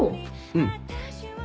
うん。